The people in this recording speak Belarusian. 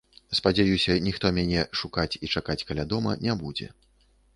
Спадзяюся, ніхто мяне шукаць і чакаць каля дома не будзе.